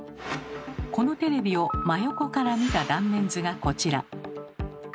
このテレビを真横から見た断面図がこちら。